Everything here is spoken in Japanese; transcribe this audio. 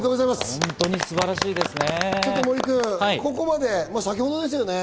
本当に素晴らしいですね。